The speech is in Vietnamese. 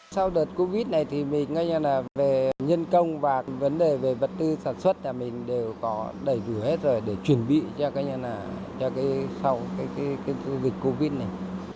sau đợt covid này thì mình ngay như là về nhân công và vấn đề về vật tư sản xuất là mình đều có đầy vừa hết rồi để chuẩn bị cho ngay như là cho cái sau cái cái cái cái dịch covid này